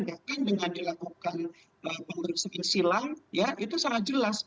bahkan dengan dilakukan pengurusan silang itu sangat jelas